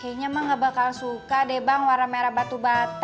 kayaknya emang gak bakal suka deh bang warna merah batu batu